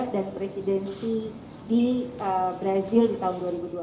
dan presidensi di brazil di tahun dua ribu dua puluh empat